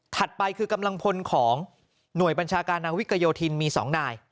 ไปคือกำลังพลของหน่วยบัญชาการนาวิกโยธินมี๒นาย